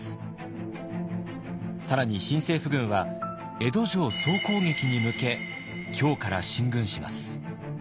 更に新政府軍は江戸城総攻撃に向け京から進軍します。